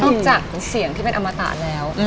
นอกจากเสียงที่แห่งอรรมถา